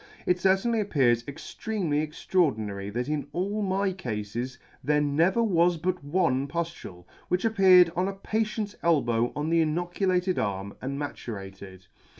It certainly appears extremely extraordinary that in E '58 ] in all my Cafes there never was but one puftule, which appeared on a patient's elbow on the inoculated arm, and maturated.